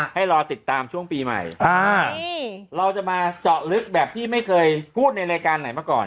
ให้รอติดตามช่วงปีใหม่เราจะมาเจาะลึกแบบที่ไม่เคยพูดในรายการไหนมาก่อน